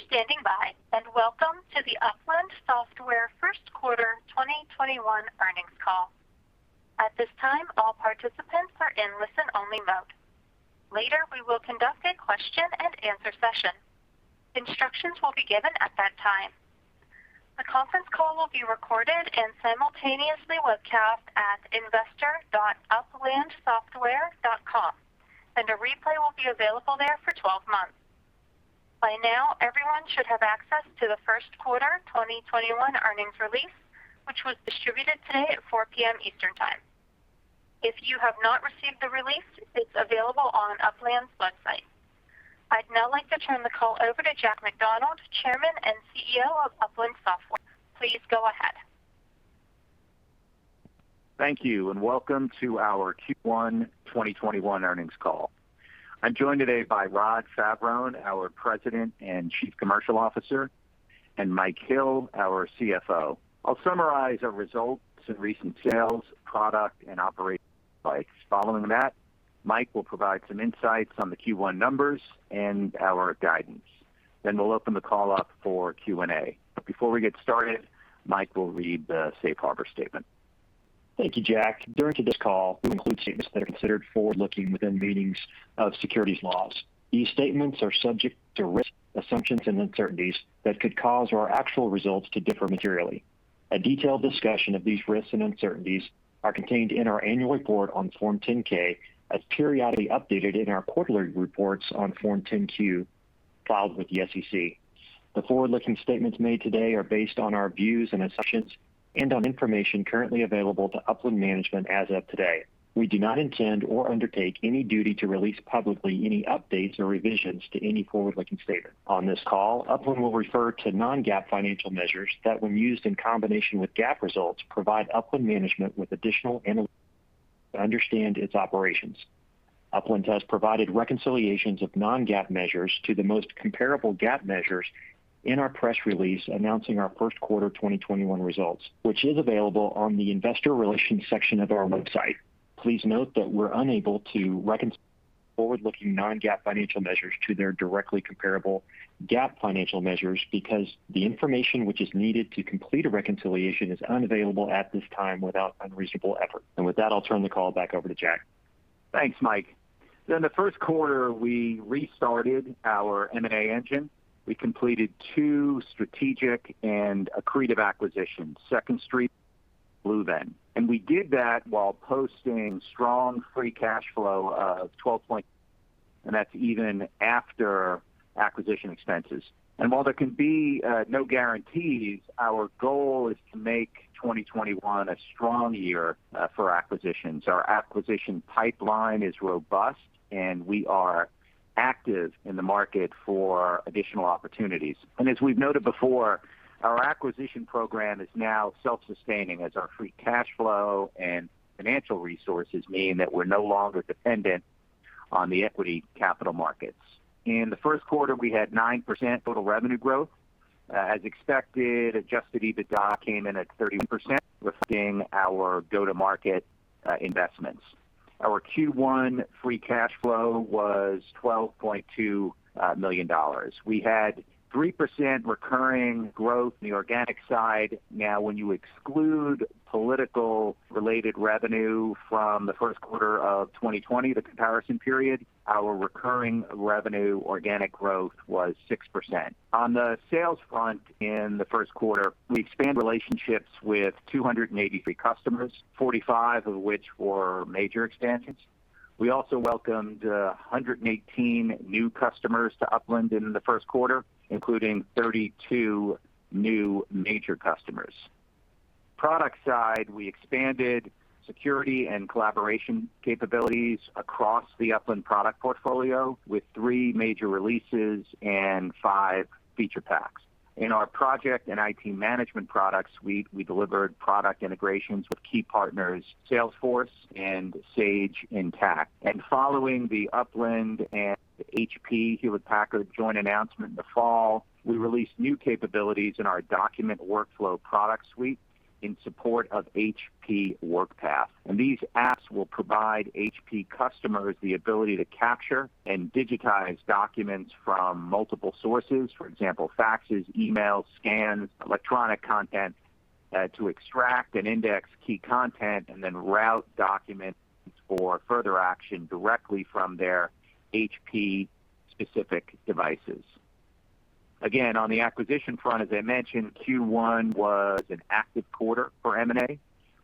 For standing by, welcome to the Upland Software first quarter 2021 earnings call. At this time, all participants are in listen-only mode. Later, we will conduct a question and answer session. Instructions will be given at that time. The conference call will be recorded and simultaneously webcast at investor.uplandsoftware.com, and a replay will be available there for 12 months. By now, everyone should have access to the first quarter 2021 earnings release, which was distributed today at 4:00 P.M. Eastern Time. If you have not received the release, it's available on Upland's website. I'd now like to turn the call over to Jack McDonald, Chairman and CEO of Upland Software. Please go ahead. Thank you. Welcome to our Q1 2021 earnings call. I'm joined today by Rod Favaron, our President and Chief Commercial Officer, and Mike Hill, our CFO. I'll summarize our results and recent sales, product, and operating highlights. Following that, Mike will provide some insights on the Q1 numbers and our guidance. We'll open the call up for Q&A. Before we get started, Mike will read the safe harbor statement. Thank you, Jack. During today's call, we will include statements that are considered forward-looking within meanings of securities laws. These statements are subject to risks, assumptions, and uncertainties that could cause our actual results to differ materially. A detailed discussion of these risks and uncertainties are contained in our annual report on Form 10-K, as periodically updated in our quarterly reports on Form 10-Q filed with the SEC. The forward-looking statements made today are based on our views and assumptions and on information currently available to Upland management as of today. We do not intend or undertake any duty to release publicly any updates or revisions to any forward-looking statement. On this call, Upland will refer to non-GAAP financial measures that, when used in combination with GAAP results, provide Upland management with additional insight to understand its operations. Upland has provided reconciliations of non-GAAP measures to the most comparable GAAP measures in our press release announcing our first quarter 2021 results, which is available on the investor relations section of our website. Please note that we're unable to reconcile forward-looking non-GAAP financial measures to their directly comparable GAAP financial measures because the information which is needed to complete a reconciliation is unavailable at this time without unreasonable effort. With that, I'll turn the call back over to Jack. Thanks, Mike. In the first quarter, we restarted our M&A engine. We completed two strategic and accretive acquisitions, Second Street and BlueVenn. We did that while posting strong free cash flow. That's even after acquisition expenses. While there can be no guarantees, our goal is to make 2021 a strong year for acquisitions. Our acquisition pipeline is robust, and we are active in the market for additional opportunities. As we've noted before, our acquisition program is now self-sustaining, as our free cash flow and financial resources mean that we're no longer dependent on the equity capital markets. In the first quarter, we had 9% total revenue growth. As expected, adjusted EBITDA came in at 30%, reflecting our go-to-market investments. Our Q1 free cash flow was $12.2 million. We had 3% recurring growth on the organic side. Now, when you exclude political-related revenue from the first quarter of 2020, the comparison period, our recurring revenue organic growth was 6%. On the sales front in the first quarter, we expanded relationships with 283 customers, 45 of which were major expansions. We also welcomed 118 new customers to Upland in the first quarter, including 32 new major customers. Product side, we expanded security and collaboration capabilities across the Upland product portfolio with three major releases and five feature packs. In our project and IT management product suite, we delivered product integrations with key partners Salesforce and Sage Intacct. Following the Upland and HP, Hewlett-Packard, joint announcement in the fall, we released new capabilities in our document workflow product suite in support of HP Workpath. These apps will provide HP customers the ability to capture and digitize documents from multiple sources, for example, faxes, emails, scans, electronic content, to extract and index key content, and then route documents for further action directly from their HP-specific devices. Again, on the acquisition front, as I mentioned, Q1 was an active quarter for M&A.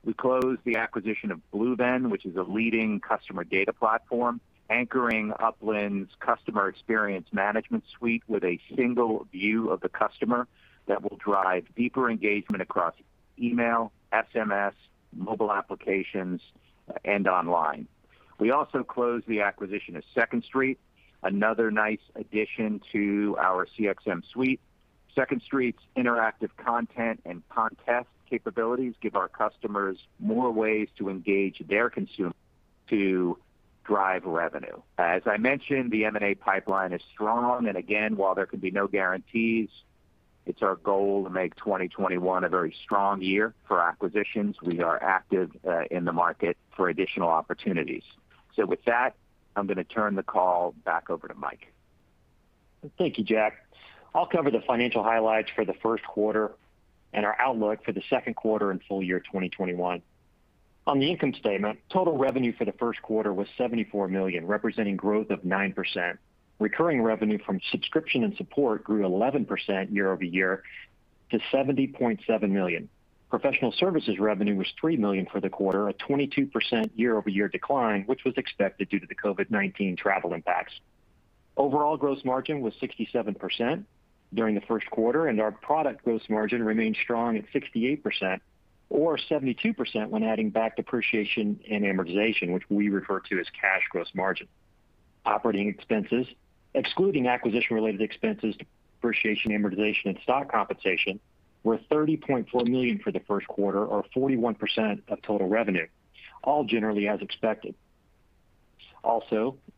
We closed the acquisition of BlueVenn, which is a leading customer data platform, anchoring Upland's customer experience management suite with a single view of the customer that will drive deeper engagement across email, SMS, mobile applications, and online. We also closed the acquisition of Second Street, another nice addition to our CXM suite. Second Street's interactive content and contest capabilities give our customers more ways to engage their consumers to drive revenue. As I mentioned, the M&A pipeline is strong, and again, while there can be no guarantees, it's our goal to make 2021 a very strong year for acquisitions. We are active in the market for additional opportunities. With that, I'm going to turn the call back over to Mike. Thank you, Jack. I'll cover the financial highlights for the first quarter and our outlook for the second quarter and full year 2021. On the income statement, total revenue for the first quarter was $74 million, representing growth of 9%. Recurring revenue from subscription and support grew 11% year-over-year to $70.7 million. Professional services revenue was $3 million for the quarter, a 22% year-over-year decline, which was expected due to the COVID-19 travel impacts. Overall gross margin was 67% during the first quarter and our product gross margin remained strong at 68%, or 72% when adding back depreciation and amortization, which we refer to as cash gross margin. Operating expenses, excluding acquisition-related expenses, depreciation, amortization, and stock compensation, were $30.4 million for the first quarter or 41% of total revenue, all generally as expected.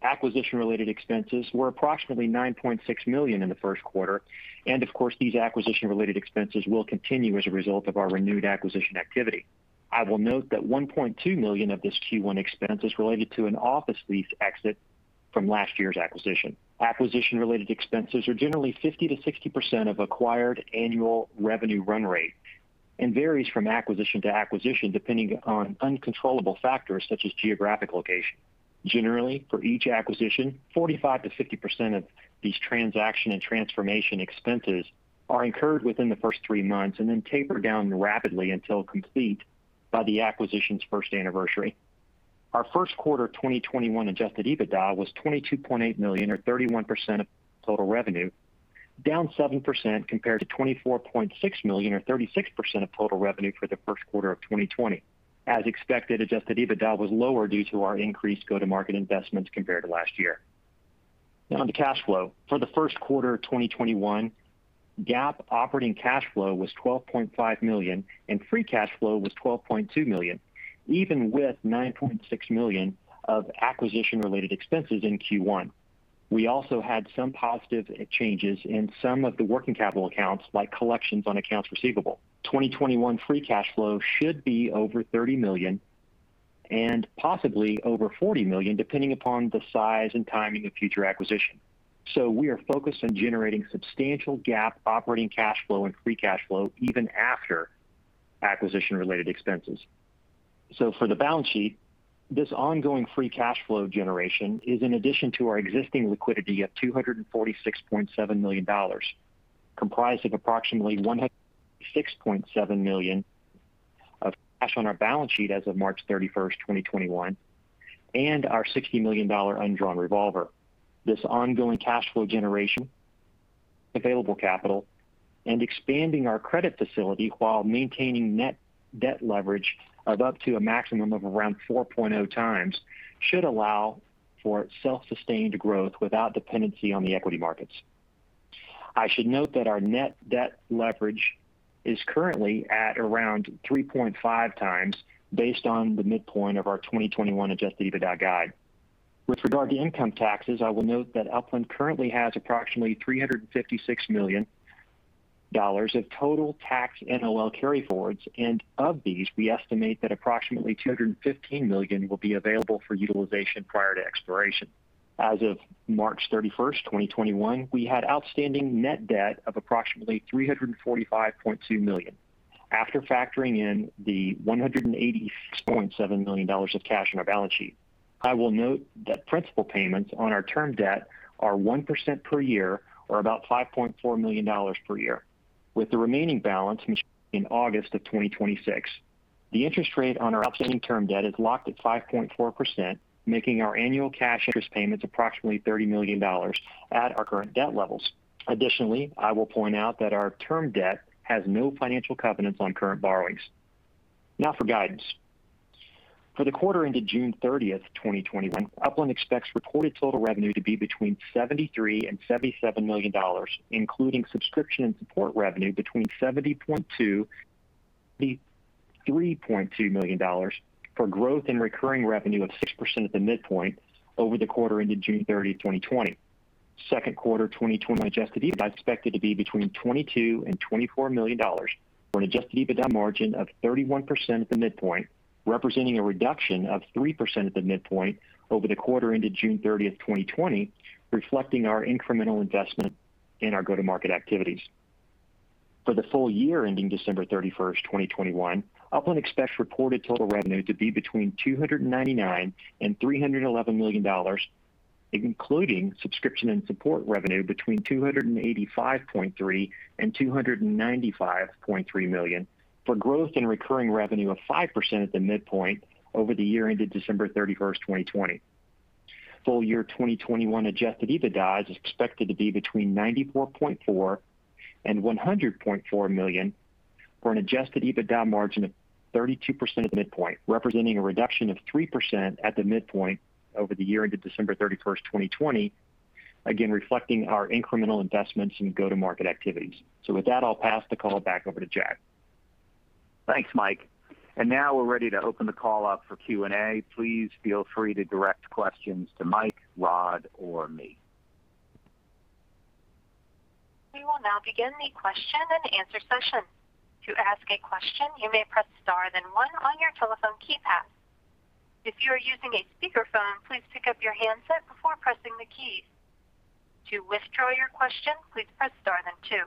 Acquisition-related expenses were approximately $9.6 million in the first quarter, and of course, these acquisition-related expenses will continue as a result of our renewed acquisition activity. I will note that $1.2 million of this Q1 expense is related to an office lease exit from last year's acquisition. Acquisition-related expenses are generally 50%-60% of acquired annual revenue run rate and varies from acquisition to acquisition depending on uncontrollable factors such as geographic location. Generally, for each acquisition, 45%-50% of these transaction and transformation expenses are incurred within the first three months and then taper down rapidly until complete by the acquisition's first anniversary. Our first quarter 2021 adjusted EBITDA was $22.8 million or 31% of total revenue, down 7% compared to $24.6 million or 36% of total revenue for the first quarter of 2020. As expected, adjusted EBITDA was lower due to our increased go-to-market investments compared to last year. On to cash flow. For the first quarter of 2021, GAAP operating cash flow was $12.5 million, and free cash flow was $12.2 million, even with $9.6 million of acquisition-related expenses in Q1. We also had some positive changes in some of the working capital accounts, like collections on accounts receivable. 2021 free cash flow should be over $30 million and possibly over $40 million, depending upon the size and timing of future acquisitions. We are focused on generating substantial GAAP operating cash flow and free cash flow even after acquisition-related expenses. For the balance sheet, this ongoing free cash flow generation is in addition to our existing liquidity of $246.7 million, comprised of approximately $106.7 million of cash on our balance sheet as of March 31st, 2021, and our $60 million undrawn revolver. This ongoing cash flow generation, available capital, and expanding our credit facility while maintaining net debt leverage of up to a maximum of around 4.0 times should allow for self-sustained growth without dependency on the equity markets. I should note that our net debt leverage is currently at around 3.5x based on the midpoint of our 2021 adjusted EBITDA guide. With regard to income taxes, I will note that Upland currently has approximately $356 million of total tax NOL carryforwards, and of these, we estimate that approximately $215 million will be available for utilization prior to expiration. As of March 31st, 2021, we had outstanding net debt of approximately $345.2 million. After factoring in the $186.7 million of cash on our balance sheet. I will note that principal payments on our term debt are 1% per year or about $5.4 million per year, with the remaining balance in August of 2026. The interest rate on our outstanding term debt is locked at 5.4%, making our annual cash interest payments approximately $30 million at our current debt levels. Additionally, I will point out that our term debt has no financial covenants on current borrowings. Now for guidance. For the quarter ended June 30th, 2021, Upland expects reported total revenue to be between $73 and $77 million, including subscription and support revenue between $70.2 million-$73.2 million for growth in recurring revenue of 6% at the midpoint over the quarter ended June 30, 2020. Second quarter 2021 adjusted EBITDA is expected to be between $22 and $24 million, for an adjusted EBITDA margin of 31% at the midpoint, representing a reduction of 3% at the midpoint over the quarter ended June 30th, 2020, reflecting our incremental investment in our go-to-market activities. For the full year ending December 31st, 2021, Upland expects reported total revenue to be between $299 and $311 million, including subscription and support revenue between $285.3 and $295.3 million, for growth in recurring revenue of 5% at the midpoint over the year ended December 31st, 2020. Full year 2021 adjusted EBITDA is expected to be between $94.4 and $100.4 million for an adjusted EBITDA margin of 32% at the midpoint, representing a reduction of 3% at the midpoint over the year ended December 31st, 2020, again, reflecting our incremental investments in go-to-market activities. With that, I'll pass the call back over to Jack. Thanks, Mike. Now we're ready to open the call up for Q&A. Please feel free to direct questions to Mike, Rod, or me. We will now begin the question and answer session. To ask a question, you may press star then one on your telephone keypad. If you are using a speakerphone, please pick up your handset before pressing the keys. To withdraw your question, please press star then two.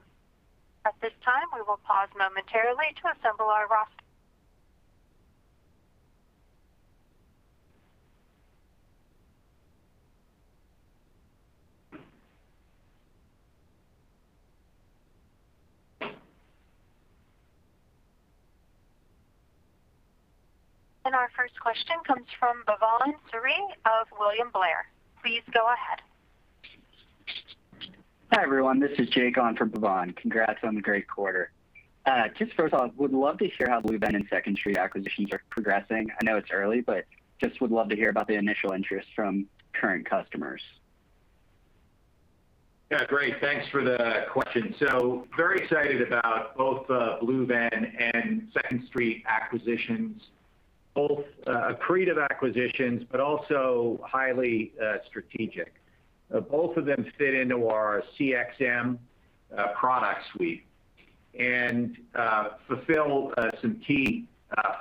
At this time, we will pause momentarily to assemble our roster. Our first question comes from Bhavan Suri of William Blair. Please go ahead. Hi, everyone. This is Jake on for Bhavan. Congrats on the great quarter. Just first off, would love to hear how BlueVenn and Second Street acquisitions are progressing. I know it's early, but just would love to hear about the initial interest from current customers. Yeah. Great. Thanks for the question. Very excited about both BlueVenn and Second Street acquisitions. Both accretive acquisitions, also highly strategic. Both of them fit into our CXM product suite and fulfill some key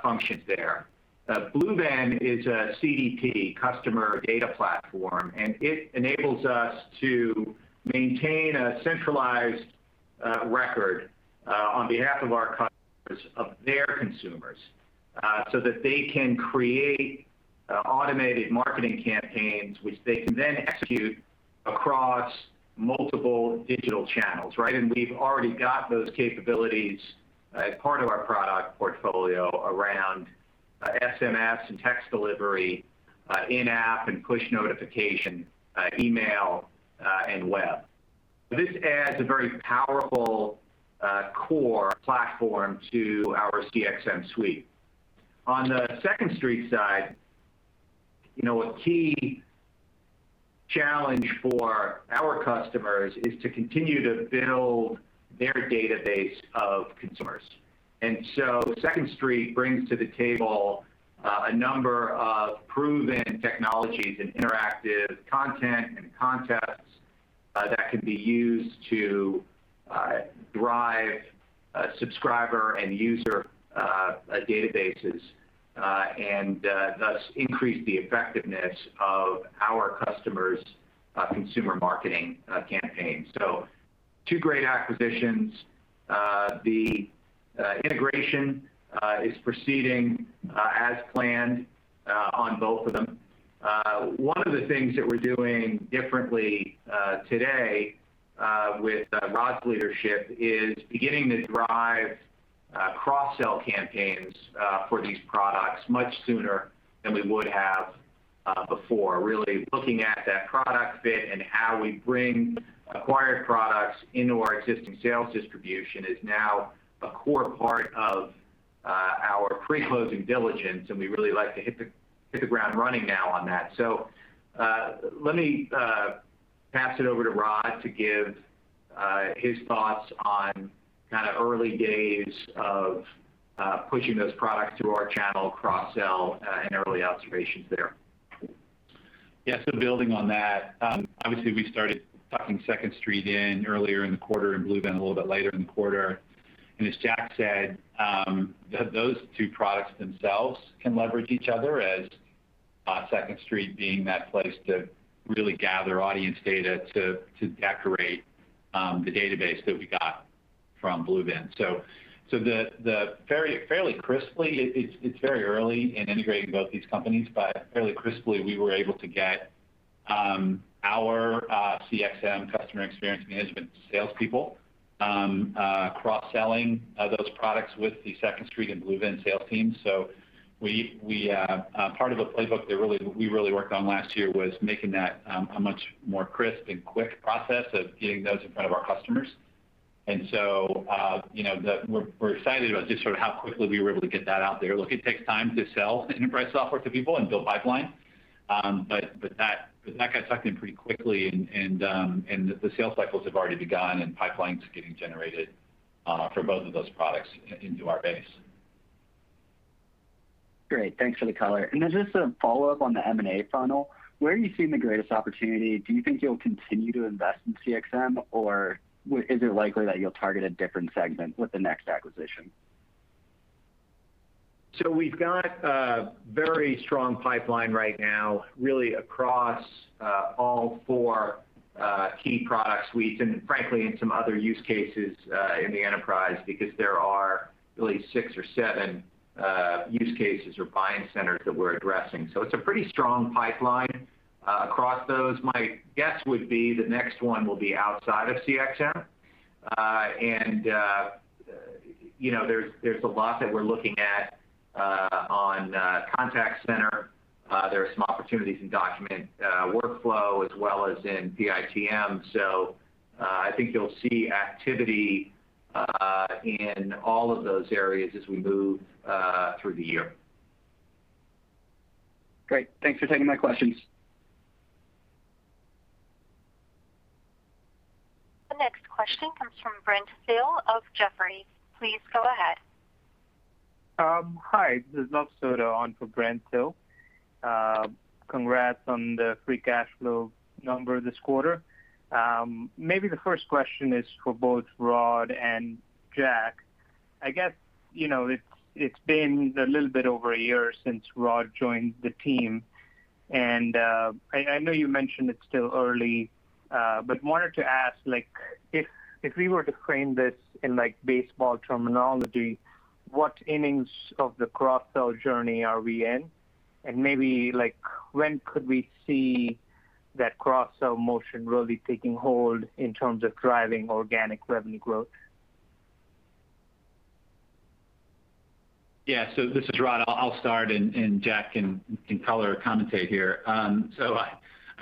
functions there. BlueVenn is a CDP, customer data platform, it enables us to maintain a centralized record on behalf of our customers of their consumers, they can create automated marketing campaigns which they can then execute across multiple digital channels, right? We've already got those capabilities as part of our product portfolio around SMS and text delivery, in-app and push notification, email, and web. This adds a very powerful core platform to our CXM suite. On the Second Street side, a key challenge for our customers is to continue to build their database of consumers. Second Street brings to the table a number of proven technologies in interactive content and contests that can be used to drive subscriber and user databases, and thus increase the effectiveness of our customers' consumer marketing campaigns. Two great acquisitions. The integration is proceeding as planned on both of them. One of the things that we're doing differently today with Rod's leadership is beginning to drive cross-sell campaigns for these products much sooner than we would have before. Really looking at that product fit and how we bring acquired products into our existing sales distribution is now a core part of our pre-closing diligence and we'd really like to hit the ground running now on that. Let me pass it over to Rod to give his thoughts on early days of pushing those products through our channel cross-sell and early observations there. Yeah. Building on that, obviously we started tucking Second Street in earlier in the quarter and BlueVenn a little bit later in the quarter. As Jack said, those two products themselves can leverage each other as Second Street being that place to really gather audience data to decorate the database that we got from BlueVenn. Fairly crisply, it's very early in integrating both these companies, but fairly crisply, we were able to get our CXM, customer experience management, salespeople cross-selling those products with the Second Street and BlueVenn sales teams. Part of the playbook that we really worked on last year was making that a much more crisp and quick process of getting those in front of our customers. We're excited about just sort of how quickly we were able to get that out there. Look, it takes time to sell enterprise software to people and build pipeline. That got sucked in pretty quickly and the sales cycles have already begun, and pipeline's getting generated for both of those products into our base. Great. Thanks for the color. Just a follow-up on the M&A funnel. Where are you seeing the greatest opportunity? Do you think you'll continue to invest in CXM, or is it likely that you'll target a different segment with the next acquisition? We've got a very strong pipeline right now, really across all four key product suites and frankly, in some other use cases in the enterprise. Because there are really six or seven use cases or buying centers that we're addressing. It's a pretty strong pipeline across those. My guess would be the next one will be outside of CXM. There's a lot that we're looking at on contact center. There are some opportunities in document workflow as well as in PITM. I think you'll see activity in all of those areas as we move through the year. Great. Thanks for taking my questions. Next question comes from Brent Thill of Jefferies. Please go ahead. Hi, this is Luv Sodha on for Brent Thill. Congrats on the free cash flow number this quarter. Maybe the first question is for both Rod and Jack. I guess it's been a little bit over a year since Rod joined the team, and I know you mentioned it's still early, but wanted to ask, if we were to frame this in baseball terminology, what innings of the cross-sell journey are we in? Maybe when could we see that cross-sell motion really taking hold in terms of driving organic revenue growth? Yeah. This is Rod. I'll start and Jack can color commentate here.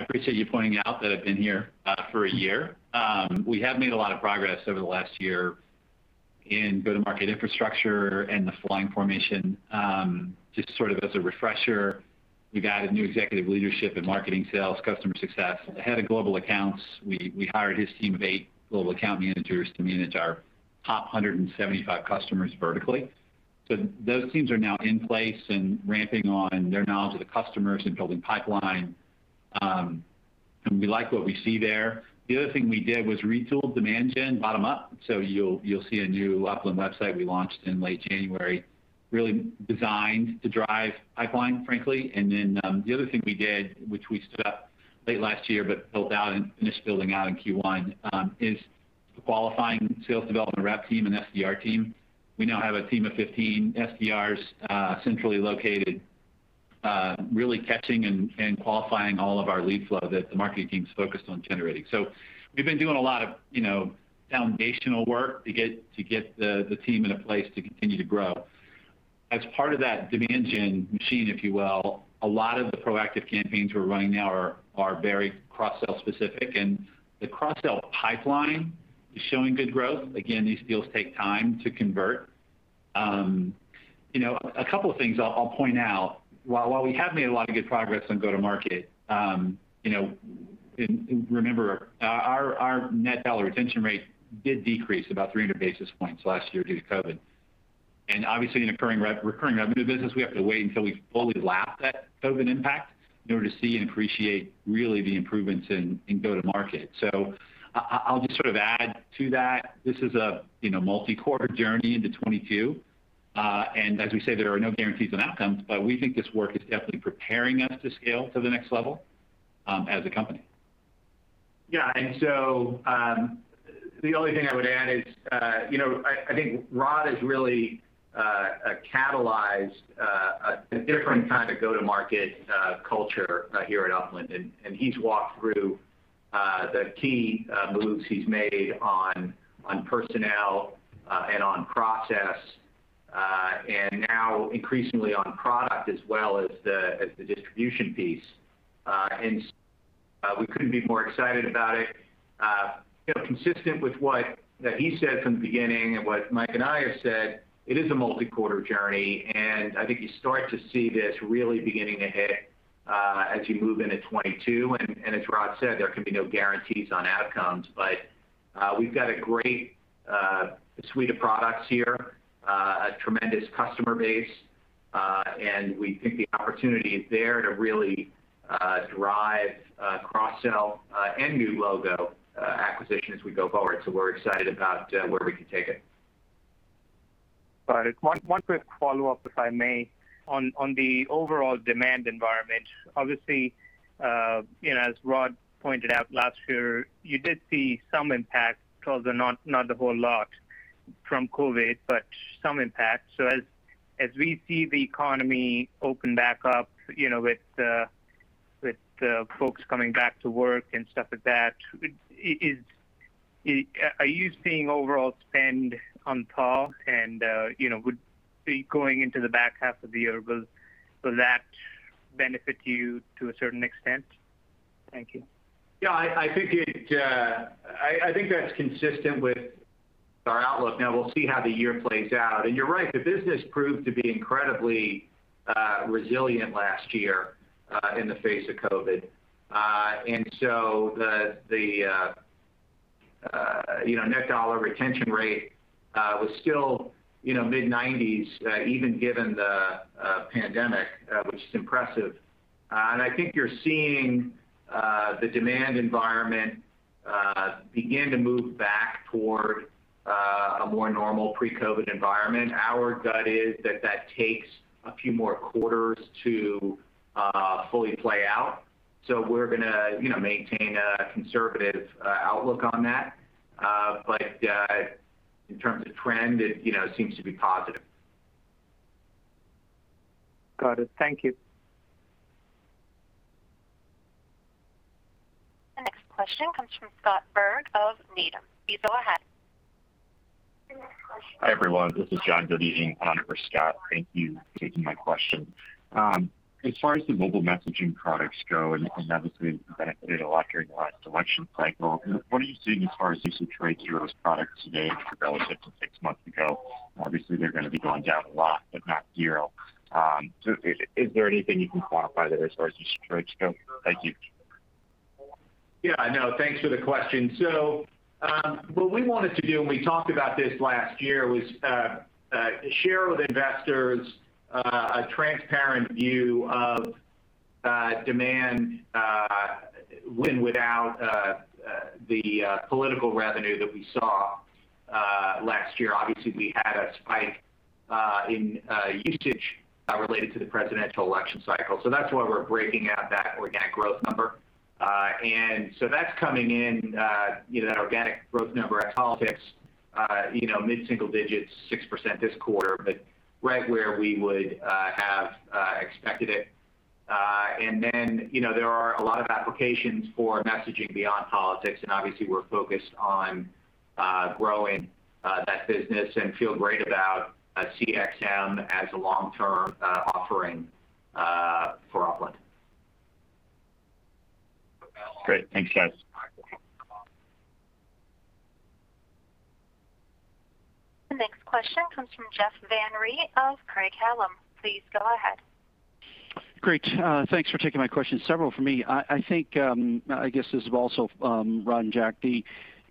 I appreciate you pointing out that I've been here for a year. We have made a lot of progress over the last year in go-to-market infrastructure and the flying formation. Just sort of as a refresher, we've added new executive leadership in marketing sales, customer success. The head of global accounts, we hired his team of eight global account managers to manage our top 175 customers vertically. Those teams are now in place and ramping on their knowledge of the customers and building pipeline, and we like what we see there. The other thing we did was retool demand gen bottom up. You'll see a new Upland website we launched in late January, really designed to drive pipeline, frankly. The other thing we did, which we stood up late last year, but built out and finished building out in Q1, is qualifying sales development rep team and SDR team. We now have a team of 15 SDRs centrally located, really catching and qualifying all of our lead flow that the marketing team's focused on generating. We've been doing a lot of foundational work to get the team in a place to continue to grow. As part of that demand gen machine, if you will, a lot of the proactive campaigns we're running now are very cross-sell specific, and the cross-sell pipeline is showing good growth. Again, these deals take time to convert. A couple of things I'll point out. While we have made a lot of good progress on go-to-market, remember our net dollar retention rate did decrease about 300 basis points last year due to COVID. Obviously in recurring revenue business, we have to wait until we fully lap that COVID impact in order to see and appreciate really the improvements in go-to-market. I'll just sort of add to that. This is a multi-quarter journey into 2022. As we say, there are no guarantees on outcomes, but we think this work is definitely preparing us to scale to the next level as a company. Yeah, the only thing I would add is I think Rod has really catalyzed a different kind of go-to-market culture here at Upland, and he's walked through the key moves he's made on personnel and on process, and now increasingly on product as well as the distribution piece. We couldn't be more excited about it. Consistent with what he said from the beginning and what Mike and I have said, it is a multi-quarter journey. I think you start to see this really beginning to hit as you move into 2022. As Rod said, there can be no guarantees on outcomes. We've got a great suite of products here, a tremendous customer base, and we think the opportunity is there to really drive cross-sell and new logo acquisition as we go forward. We're excited about where we can take it. Got it. One quick follow-up, if I may. On the overall demand environment, obviously as Rod pointed out, last year you did see some impact, although not the whole lot from COVID, but some impact. As we see the economy open back up with folks coming back to work and stuff like that, are you seeing overall spend on par, and going into the back half of the year, will that benefit you to a certain extent? Thank you. Yeah, I think that's consistent with our outlook. We'll see how the year plays out. You're right, the business proved to be incredibly resilient last year in the face of COVID-19. The net dollar retention rate was still mid-90s even given the pandemic, which is impressive. I think you're seeing the demand environment begin to move back toward a more normal pre-COVID-19 environment. Our gut is that takes a few more quarters to fully play out, we're going to maintain a conservative outlook on that. In terms of trend, it seems to be positive. Got it. Thank you. The next question comes from Scott Berg of Needham. Please go ahead. Hi, everyone. This is John Godin on for Scott. Thank you for taking my question. As far as the mobile messaging products go, and obviously it's benefited a lot during the last election cycle, what are you usage of those products today relative to six months ago? Obviously they're going to be going down a lot, but not zero. Is there anything you can quantify there as far as the stretch go? Thank you. Yeah, I know. Thanks for the question. What we wanted to do, and we talked about this last year, was share with investors a transparent view of demand with and without the political revenue that we saw last year. Obviously, we had a spike in usage related to the presidential election cycle. That's why we're breaking out that organic growth number. That's coming in, that organic growth number at politics, mid-single digits, 6% this quarter, but right where we would have expected it. Then, there are a lot of applications for messaging beyond politics, and obviously we're focused on growing that business and feel great about CXM as a long-term offering for Upland. Great. Thanks, guys. The next question comes from Jeff Van Rhee of Craig-Hallum. Please go ahead. Great. Thanks for taking my question. Several from me. I guess this is also Rod and Jack.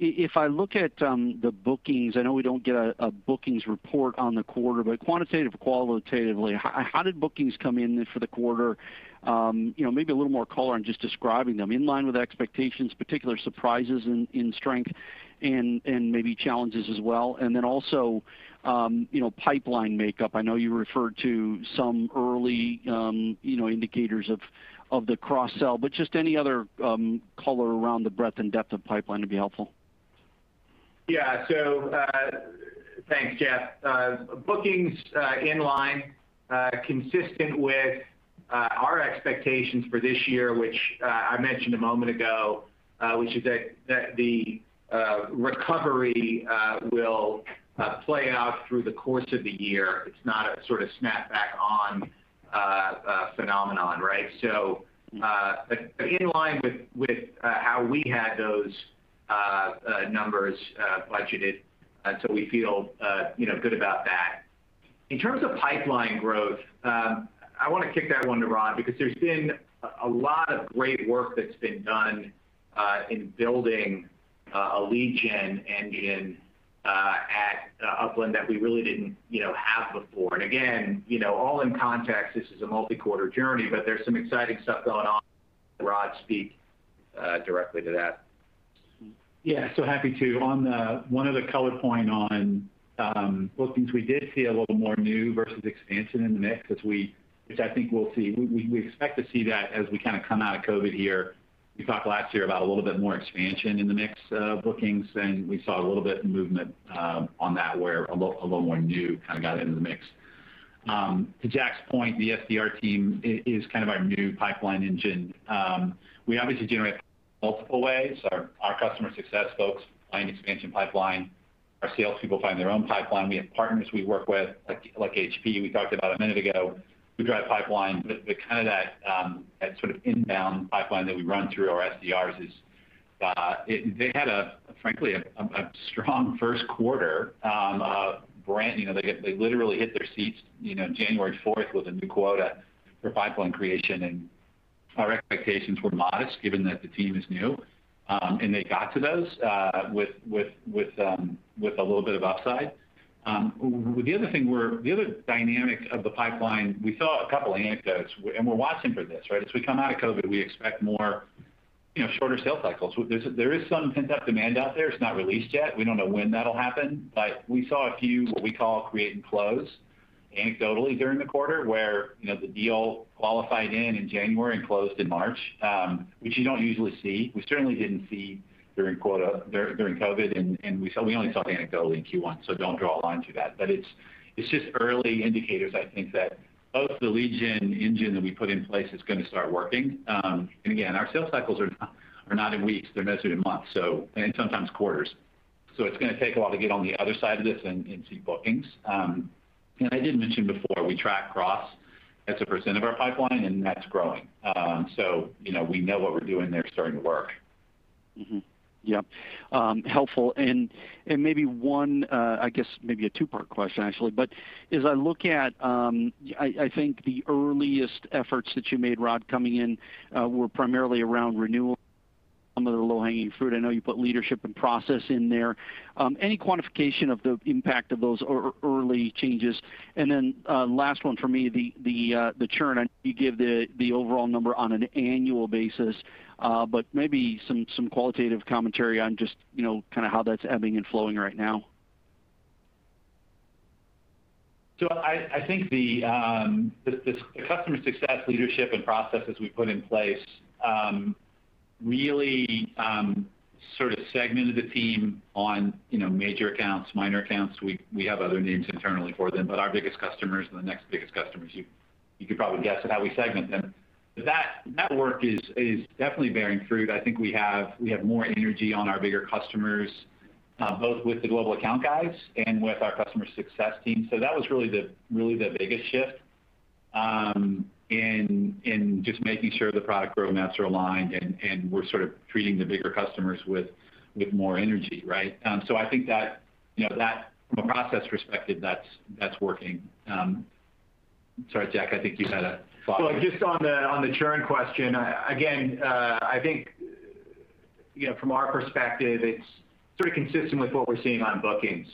If I look at the bookings, I know we don't get a bookings report on the quarter, but quantitative or qualitatively, how did bookings come in for the quarter? Maybe a little more color on just describing them. In line with expectations, particular surprises in strength, and maybe challenges as well. Then also, pipeline makeup. I know you referred to some early indicators of the cross-sell, but just any other color around the breadth and depth of pipeline would be helpful. Yeah. Thanks, Jeff. Bookings inline, consistent with our expectations for this year, which I mentioned a moment ago, which is that the recovery will play out through the course of the year. It's not a sort of snap-back-on phenomenon, right? In line with how we had those numbers budgeted, we feel good about that. In terms of pipeline growth, I want to kick that one to Rod because there's been a lot of great work that's been done in building a lead gen engine at Upland that we really didn't have before. Again, all in context, this is a multi-quarter journey, there's some exciting stuff going on. Rod, speak directly to that. Yeah, happy to. On one other colored point on bookings, we did see a little more new versus expansion in the mix, which I think we'll see. We expect to see that as we kind of come out of COVID-19 here. We talked last year about a little bit more expansion in the mix of bookings. We saw a little bit movement on that where a little more new kind of got into the mix. To Jack's point, the SDR team is kind of our new pipeline engine. We obviously generate multiple ways. Our customer success folks find expansion pipeline. Our sales people find their own pipeline. We have partners we work with, like HP, we talked about a minute ago, who drive pipeline, kind of that sort of inbound pipeline that we run through our SDRs. They had, frankly, a strong first quarter. They literally hit their seats January 4th with a new quota for pipeline creation. Our expectations were modest given that the team is new. They got to those with a little bit of upside. The other dynamic of the pipeline, we saw a couple anecdotes, and we're watching for this, right? As we come out of COVID-19, we expect more shorter sales cycles. There is some pent-up demand out there. It's not released yet. We don't know when that'll happen. We saw a few, what we call create and close, anecdotally during the quarter, where the deal qualified in in January and closed in March, which you don't usually see. We certainly didn't see during COVID-19, and we only saw it anecdotally in Q1, so don't draw a line to that. It's just early indicators, I think, that both the lead gen engine that we put in place is going to start working. Again, our sales cycles are not in weeks. They're measured in months, and sometimes quarters. It's going to take a while to get on the other side of this and see bookings. I did mention before, we track cross as a % of our pipeline, and that's growing. We know what we're doing there is starting to work. Mm-hmm. Yep. Helpful. Maybe one, I guess maybe a two-part question actually, but as I look at, I think the earliest efforts that you made, Rod, coming in were primarily around renewal, some of the low-hanging fruit. I know you put leadership and process in there. Any quantification of the impact of those early changes? Last one from me, the churn. I know you give the overall number on an annual basis. Maybe some qualitative commentary on just kind of how that's ebbing and flowing right now. I think the customer success leadership and processes we put in place really sort of segmented the team on major accounts, minor accounts. We have other names internally for them but our biggest customers and the next biggest customers, you could probably guess at how we segment them. That work is definitely bearing fruit. I think we have more energy on our bigger customers, both with the global account guys and with our customer success team. That was really the biggest shift in just making sure the product roadmaps are aligned, and we're sort of treating the bigger customers with more energy, right? I think that from a process perspective, that's working. Sorry, Jack, I think you had a follow-up. Just on the churn question, again, I think from our perspective, it's sort of consistent with what we're seeing on bookings.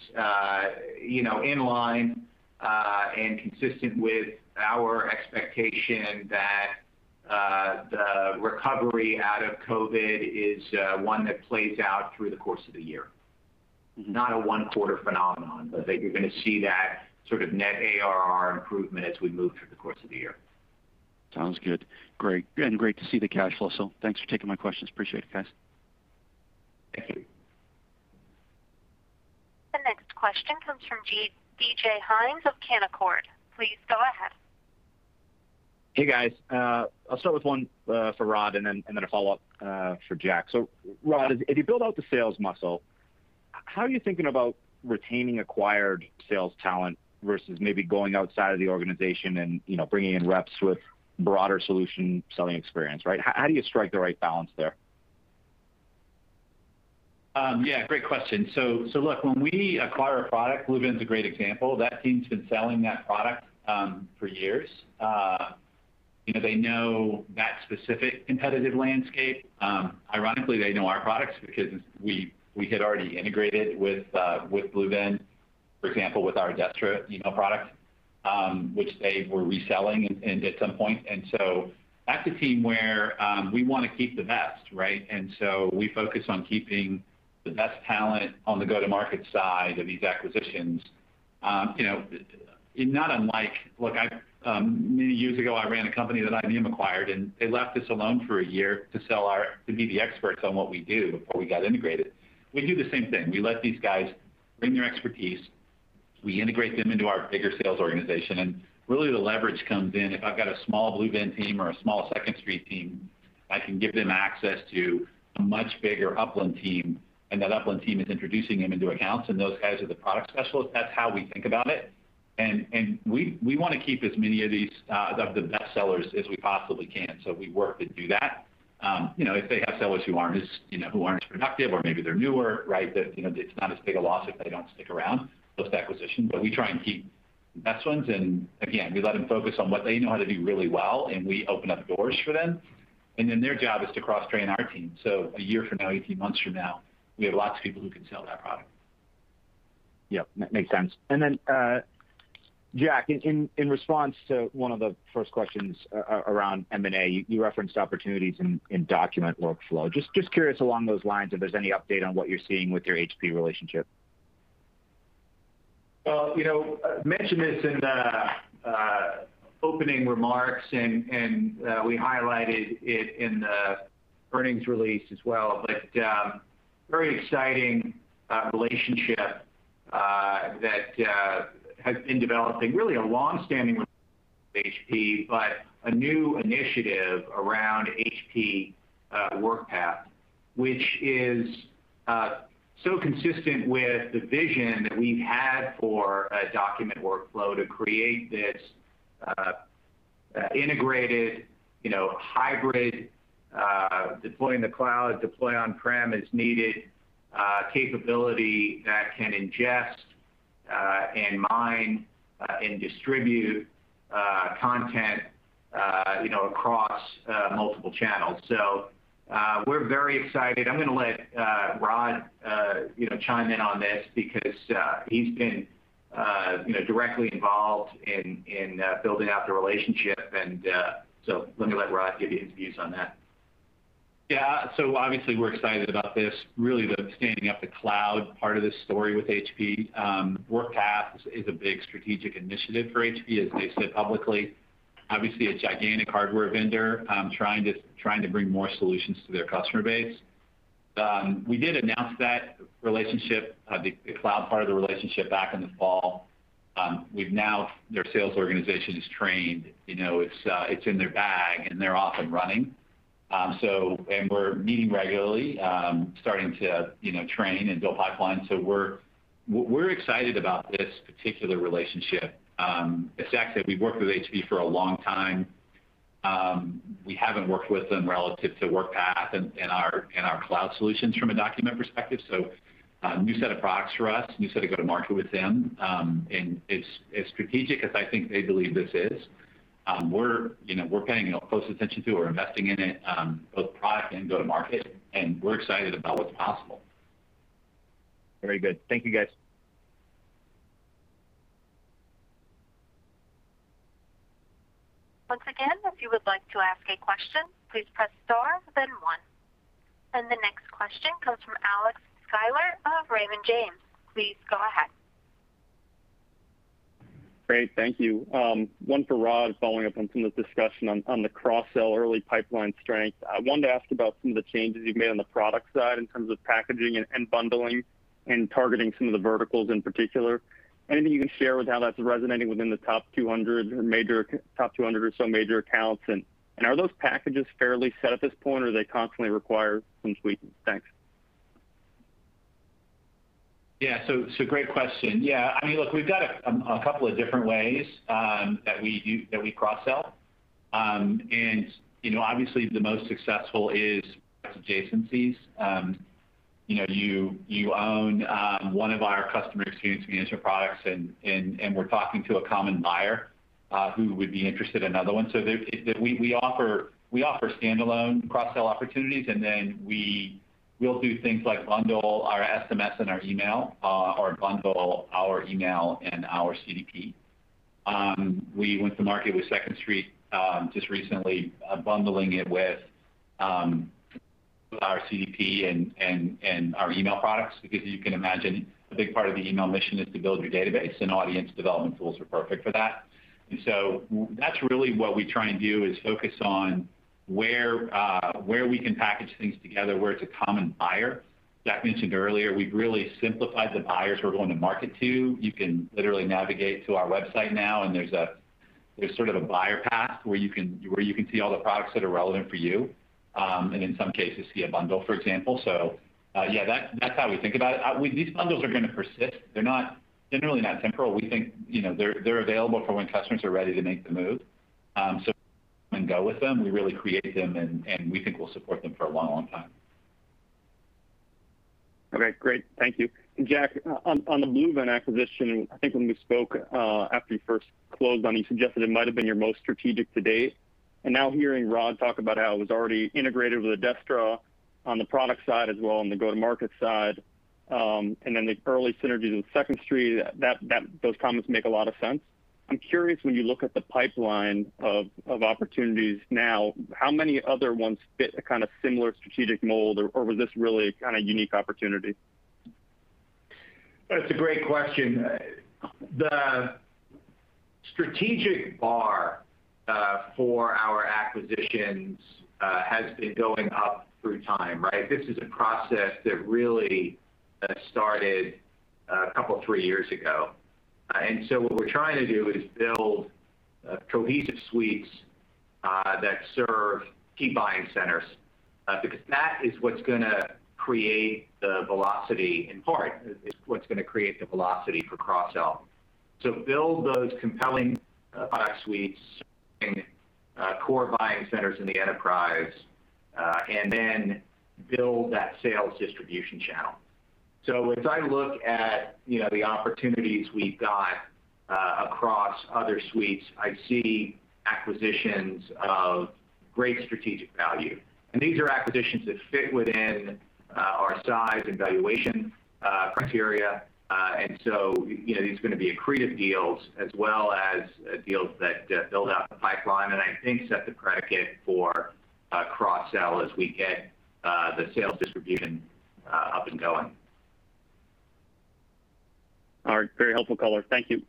In line and consistent with our expectation that the recovery out of COVID-19 is one that plays out through the course of the year. That you're going to see that sort of net ARR improvement as we move through the course of the year. Sounds good. Great. Great to see the cash flow. Thanks for taking my questions. Appreciate it, guys. Thank you. The next question comes from DJ Hynes of Canaccord. Please go ahead. Hey, guys. I'll start with one for Rod and then a follow-up for Jack. Rod, as you build out the sales muscle, how are you thinking about retaining acquired sales talent versus maybe going outside of the organization and bringing in reps with broader solution selling experience, right? How do you strike the right balance there? Great question. When we acquire a product, BlueVenn's a great example, that team's been selling that product for years. They know that specific competitive landscape. Ironically, they know our products because we had already integrated with BlueVenn, for example, with our Adestra email product, which they were reselling and at some point. That's a team where we want to keep the best, right? We focus on keeping the best talent on the go-to-market side of these acquisitions. Many years ago, I ran a company that IBM acquired, and they left us alone for a year to be the experts on what we do before we got integrated. We do the same thing. We let these guys bring their expertise. We integrate them into our bigger sales organization. Really the leverage comes in if I've got a small BlueVenn team or a small Second Street team, I can give them access to a much bigger Upland team, and that Upland team is introducing them into accounts, and those guys are the product specialists. That's how we think about it. We want to keep as many of the best sellers as we possibly can. We work to do that. If they have sellers who aren't as productive or maybe they're newer, right, it's not as big a loss if they don't stick around post-acquisition. We try and keep the best ones and again we let them focus on what they know how to do really well, and we open up doors for them. Their job is to cross-train our team. A year from now, 18 months from now, we have lots of people who can sell that product. Yep, that makes sense. Jack, in response to one of the first questions around M&A, you referenced opportunities in document workflow. Just curious along those lines if there's any update on what you're seeing with your HP relationship. Well, I mentioned this in the opening remarks and we highlighted it in the earnings release as well, but very exciting relationship that has been developing, really a longstanding with HP, but a new initiative around HP Workpath, which is so consistent with the vision that we've had for a document workflow to create this integrated, hybrid, deploy in the cloud, deploy on-prem as needed capability that can ingest and mine and distribute content across multiple channels. We're very excited. I'm going to let Rod chime in on this because he's been directly involved in building out the relationship. Let me let Rod give you his views on that. Yeah. Obviously, we're excited about this, really the standing up the cloud part of this story with HP. Workpath is a big strategic initiative for HP as they've said publicly. Obviously, a gigantic hardware vendor trying to bring more solutions to their customer base. We did announce that relationship, the cloud part of the relationship back in the fall. Their sales organization is trained. It's in their bag, and they're off and running. We're meeting regularly, starting to train and build pipeline. We're excited about this particular relationship. As Jack said, we've worked with HP for a long time. We haven't worked with them relative to Workpath and our cloud solutions from a document perspective. A new set of products for us, new set of go to market with them. As strategic as I think they believe this is, we're paying close attention to, we're investing in it, both product and go to market, and we're excited about what's possible. Very good. Thank you, guys. Once again, if you would like to ask a question, please press star, then one. The next question comes from Alex Sklar of Raymond James. Please go ahead. Great. Thank you. One for Rod, following up on some of the discussion on the cross-sell early pipeline strength. I wanted to ask about some of the changes you've made on the product side in terms of packaging and bundling and targeting some of the verticals in particular. Anything you can share with how that's resonating within the top 200 or so major accounts, and are those packages fairly set at this point, or do they constantly require some tweaking? Thanks. Great question. Look, we've got a couple of different ways that we cross-sell. Obviously, the most successful is adjacencies. You own one of our customer experience management products, and we're talking to a common buyer who would be interested in another one. We offer standalone cross-sell opportunities, and then we'll do things like bundle our SMS and our email, or bundle our email and our CDP. We went to market with Second Street just recently, bundling it with our CDP and our email products. You can imagine, a big part of the email mission is to build your database, and audience development tools are perfect for that. That's really what we try and do, is focus on where we can package things together, where it's a common buyer. Jack mentioned earlier we've really simplified the buyers we're going to market to. You can literally navigate to our website now, and there's a buyer path where you can see all the products that are relevant for you, and in some cases, see a bundle, for example. Yeah. That's how we think about it. These bundles are going to persist. They're generally not temporal. We think they're available for when customers are ready to make the move. Come and go with them. We really create them, and we think we'll support them for a long, long time. Okay, great. Thank you. Jack, on the BlueVenn acquisition, I think when we spoke after you first closed on, you suggested it might've been your most strategic to date. Now hearing Rod talk about how it was already integrated with Adestra on the product side as well, and the go-to-market side, and then the early synergies with Second Street, those comments make a lot of sense. I'm curious, when you look at the pipeline of opportunities now, how many other ones fit a similar strategic mold or was this really a unique opportunity? That's a great question. The strategic bar for our acquisitions has been going up through time, right? This is a process that really started a couple, three years ago. What we're trying to do is build cohesive suites that serve key buying centers, because that is what's going to create the velocity, in part, is what's going to create the velocity for cross-sell. Build those compelling product suites in core buying centers in the enterprise, and then build that sales distribution channel. As I look at the opportunities we've got across other suites, I see acquisitions of great strategic value, and these are acquisitions that fit within our size and valuation criteria. These are going to be accretive deals as well as deals that build out the pipeline, and I think set the predicate for a cross-sell as we get the sales distribution up and going. All right. Very helpful color. Thank you.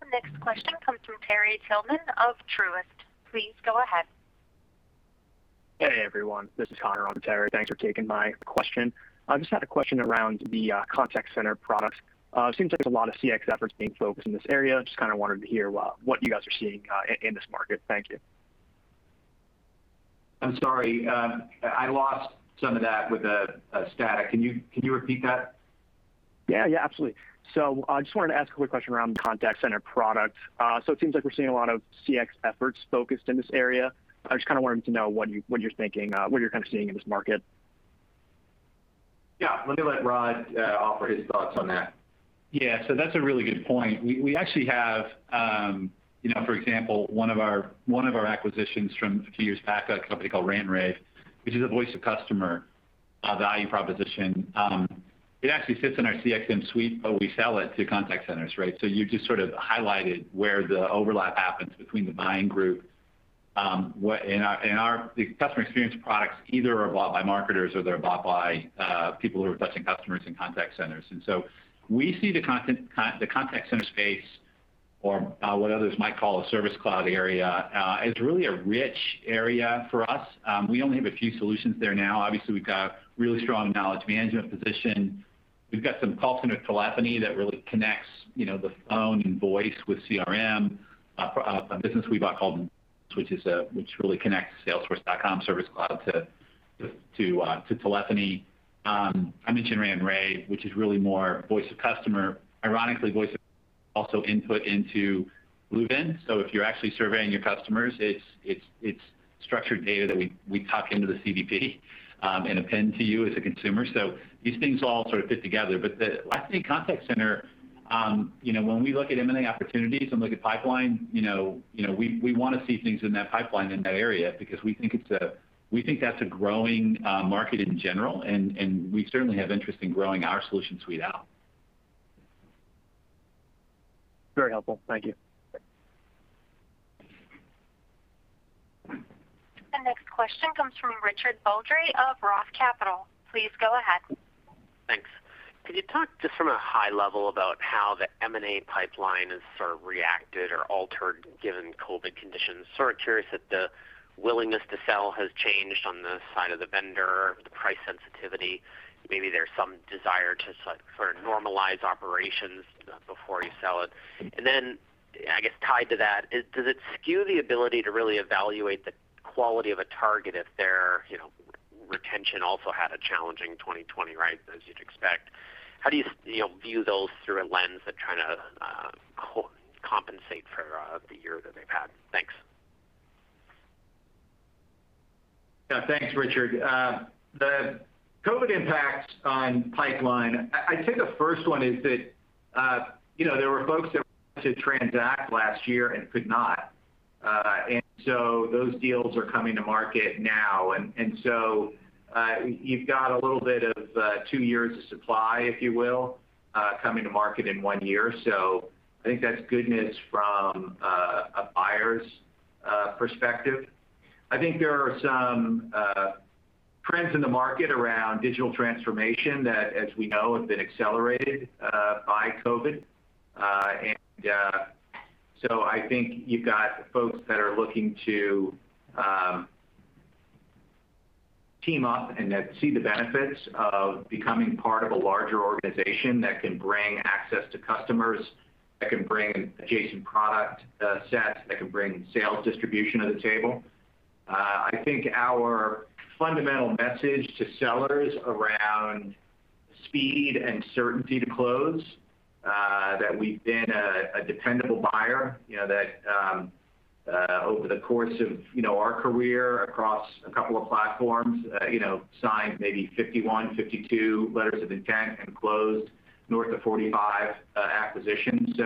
The next question comes from Terrell Tillman of Truist. Please go ahead. Hey, everyone, this is Connor on Terrell. Thanks for taking my question. I just had a question around the contact center products. It seems like there's a lot of CX efforts being focused in this area. Just wanted to hear what you guys are seeing in this market. Thank you. I'm sorry. I lost some of that with the static. Can you repeat that? Yeah, absolutely. I just wanted to ask a quick question around the contact center product. It seems like we're seeing a lot of CX efforts focused in this area. I just wanted to know what you're thinking, what you're seeing in this market. Yeah. Let me let Rod offer his thoughts on that. Yeah. That's a really good point. We actually have, for example, one of our acquisitions from a few years back, a company called Rant & Rave, which is a voice-of-customer value proposition. It actually sits in our CXM suite, but we sell it to contact centers, right? You just highlighted where the overlap happens between the buying group. In our customer experience products, either are bought by marketers or they're bought by people who are touching customers in contact centers. We see the contact center space, or what others might call a Service Cloud area, as really a rich area for us. We only have a few solutions there now. Obviously, we've got a really strong knowledge management position. We've got some call center telephony that really connects the phone and voice with CRM, a business we bought called InGenius, which really connects salesforce.com Service Cloud to telephony. I mentioned Rant & Rave, which is really more voice of customer. Ironically, voice of customer also input into BlueVenn. If you're actually surveying your customers, it's structured data that we tuck into the CDP, and append to you as a consumer. These things all sort of fit together. I think contact center, when we look at M&A opportunities and look at pipeline, we want to see things in that pipeline in that area because we think that's a growing market in general, and we certainly have interest in growing our solution suite out. Very helpful. Thank you. The next question comes from Richard Baldry of ROTH Capital. Please go ahead. Thanks. Can you talk just from a high level about how the M&A pipeline has sort of reacted or altered given COVID conditions? Sort of curious if the willingness to sell has changed on the side of the vendor, the price sensitivity. Maybe there's some desire to sort of normalize operations before you sell it. I guess tied to that, does it skew the ability to really evaluate the quality of a target if their retention also had a challenging 2020, right? As you'd expect. How do you view those through a lens of trying to compensate for the year that they've had? Thanks. Yeah. Thanks, Richard. The COVID impact on pipeline, I'd say the first one is that there were folks that wanted to transact last year and could not. Those deals are coming to market now, you've got a little bit of two years of supply, if you will, coming to market in one year. I think that's good news from a buyer's perspective. I think there are some trends in the market around digital transformation that, as we know, have been accelerated by COVID. I think you've got folks that are looking to team up and that see the benefits of becoming part of a larger organization that can bring access to customers, that can bring adjacent product sets, that can bring sales distribution to the table. I think our fundamental message to sellers around speed and certainty to close, that we've been a dependable buyer. That over the course of our career across a couple of platforms, signed maybe 51, 52 letters of intent and closed north of 45 acquisitions.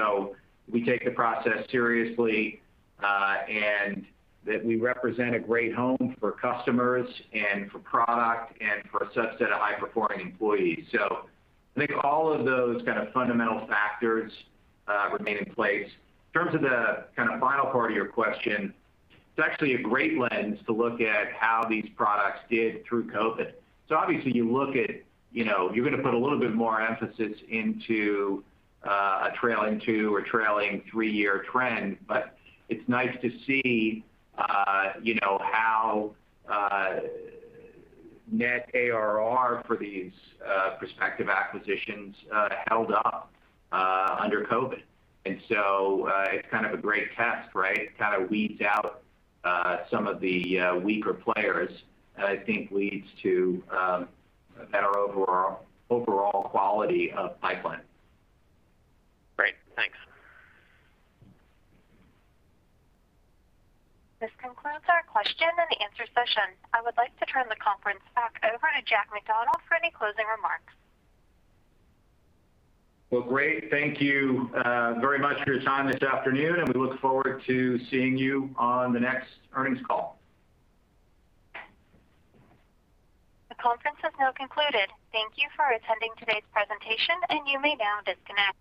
We take the process seriously, and that we represent a great home for customers and for product and for a subset of high-performing employees. I think all of those kind of fundamental factors remain in place. In terms of the final part of your question, it's actually a great lens to look at how these products did through COVID-19. Obviously you're going to put a little bit more emphasis into a trailing two or trailing three-year trend, but it's nice to see how net ARR for these prospective acquisitions held up under COVID-19. It's kind of a great test, right. It kind of weeds out some of the weaker players, and I think leads to a better overall quality of pipeline. Great. Thanks. This concludes our question and answer session. I would like to turn the conference back over to Jack McDonald for any closing remarks. Well, great. Thank you very much for your time this afternoon, and we look forward to seeing you on the next earnings call. The conference has now concluded. Thank you for attending today's presentation, and you may now disconnect.